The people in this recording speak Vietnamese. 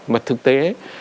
một thực tế